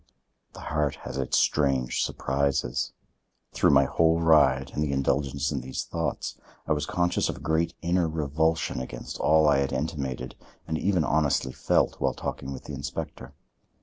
The heart has its strange surprises. Through my whole ride and the indulgence in these thoughts I was conscious of a great inner revulsion against all I had intimated and even honestly felt while talking with the inspector.